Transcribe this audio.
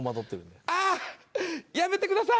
あっやめてください。